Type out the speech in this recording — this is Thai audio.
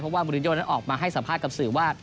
ว่ามูลินโยนั้นออกมาให้สัมภาษณ์กับสื่อว่า